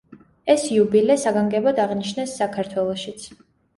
ეს იუბილე საგანგებოდ აღნიშნეს საქართველოშიც.